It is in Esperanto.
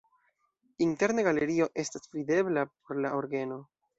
Interne galerio estas videbla por la orgeno.